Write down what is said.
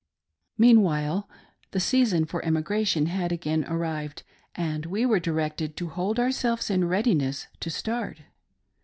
Meanwhile, the season for emigration had again arrived, and we were directed to hold ourselves in readiness to start.